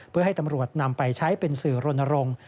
เพื่อให้ตำรวจนำไปใช้เป็นสื่อรณรงค์